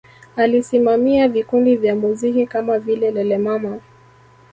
Alisimamia vikundi vya muziki kama vile Lelemama